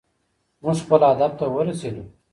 موږ خپل هدف ته ورسېدو.